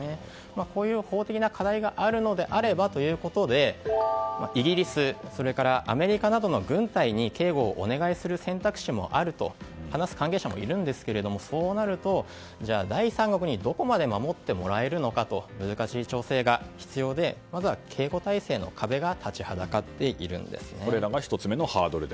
こういう法的な課題があるのであればということでイギリスそれからアメリカなどの軍隊に警護をお願いする選択肢もあると話す関係者もいるんですがそうなると、第三国にどこまで守ってもらえるのかと難しい調整が必要でまずは警護体制の壁が立ちはだかっているんですね。